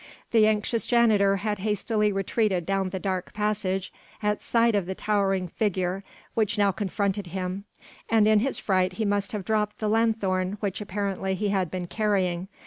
The anxious janitor had hastily retreated down the dark passage at sight of the towering figure which now confronted him, and in his fright he must have dropped the lanthorn which apparently he had been carrying.